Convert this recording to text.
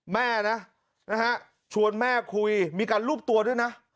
แม่นะชวนแม่คุยมีการรูปตัวด้วยนะ